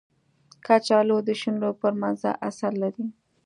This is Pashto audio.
کچالو د شونډو پر مزه اثر لري